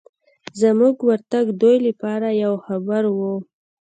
زموږ ورتګ دوی لپاره یو خبر و.